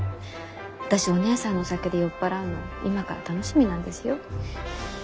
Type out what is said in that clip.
私お義姉さんのお酒で酔っ払うの今から楽しみなんですよ。